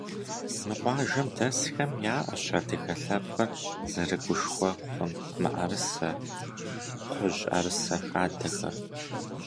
Мы къуажэм дэсхэм яӏэщ адыгэ лъэпкъыр зэрыгушхуэ хъун мыӏэрысэ, кхъужь ӏэрысэ хадэхэр.